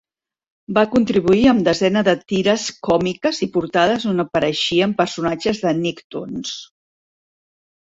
Va contribuir amb desenes de tires còmiques i portades on apareixien personatges de Nicktoons.